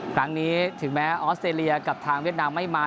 ครั้งนี้ถึงแม้ออสเตรเลียกับทางเวียดนามไม่มา